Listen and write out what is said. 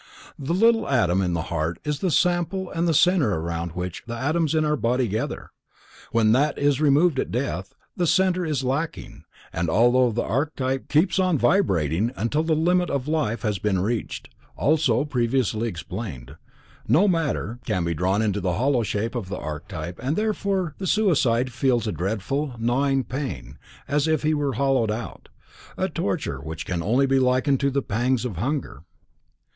The little atom in the heart is the sample and the center around which the atoms in our body gather. When that is removed at death, the center is lacking, and although the archetype keeps on vibrating until the limit of the life has been reached—as also previously explained,—no matter can be drawn into the hollow shape of the archetype and therefore the suicide feels a dreadful gnawing pain as if he were hollowed out, a torture which can only be likened to the pangs of hunger.